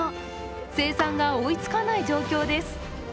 生産が追いつかない状況です。